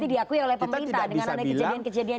berarti diakui oleh pemerintah dengan ada kejadian kejadian ini